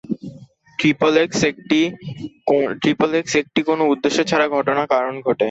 Triple X একটি কোনো উদ্দেশ্য ছাড়া ঘটনা কারণে ঘটে।